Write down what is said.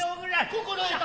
心得た。